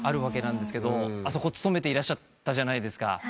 あそこ務めていらっしゃったじゃないですか。